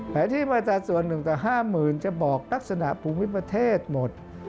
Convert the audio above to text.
ที่มาตราส่วน๑ต่อ๕๐๐๐จะบอกลักษณะภูมิประเทศหมด